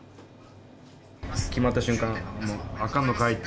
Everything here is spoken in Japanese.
決まった瞬間、あかんのかいって、